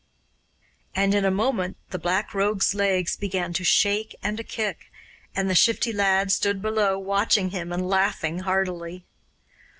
And in a moment the Black Rogue's legs began to shake and to kick, and the Shifty Lad stood below, watching him and laughing heartily.